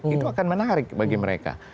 itu akan menarik bagi mereka